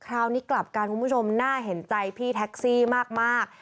คราวนี้กลับกันคุณผู้ชมน่าเห็นใจพี่แท็กซี่มาก